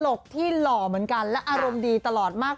กที่หล่อเหมือนกันและอารมณ์ดีตลอดมาก